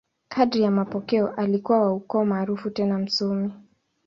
Kadiri ya mapokeo, alikuwa wa ukoo maarufu tena msomi.